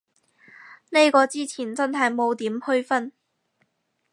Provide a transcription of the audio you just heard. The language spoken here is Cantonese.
呢個之前真係冇點區分